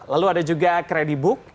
lalu ada juga credit book